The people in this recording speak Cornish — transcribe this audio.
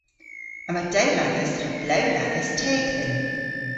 Yma dewlagas ha blew lagas teg dhyn.